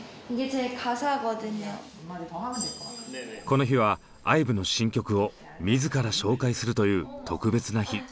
この日はＩＶＥの新曲を自ら紹介するという特別な日。